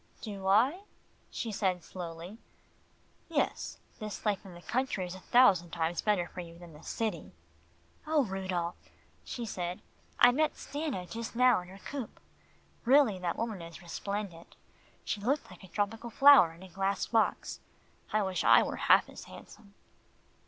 "Do I?" she said slowly. "Yes this life in the country is a thousand times better for you than the city." "Oh, Rudolph," she said, "I met Stanna just now in her coupé. Really, that woman is resplendent. She looked like a tropical flower in a glass box. I wish I were half as handsome."